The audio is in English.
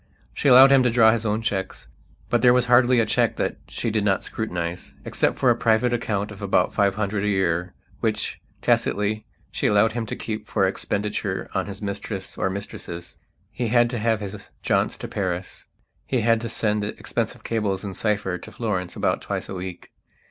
She allowed him to draw his own cheques, but there was hardly a cheque that she did not scrutinizeexcept for a private account of about five hundred a year which, tacitly, she allowed him to keep for expenditure on his mistress or mistresses. He had to have his jaunts to Paris; he had to send expensive cables in cipher to Florence about twice a week.